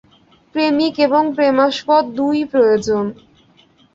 প্রেমিক এবং প্রেমাস্পদ দুই-ই প্রয়োজন।